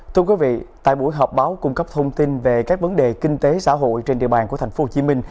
thưa quý vị tại buổi họp báo cung cấp thông tin về các vấn đề kinh tế xã hội trên địa bàn của tp hcm